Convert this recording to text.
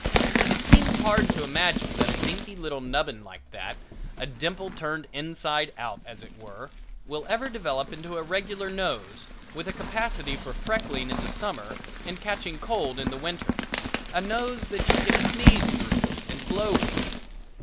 It seems hard to imagine that a dinky little nubbin like that, a dimple turned inside out, as it were, will ever develop into a regular nose, with a capacity for freckling in the summer and catching cold in the winter a nose that you can sneeze through and blow with.